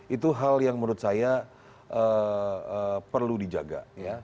itu hal yang menurut saya perlu dijaga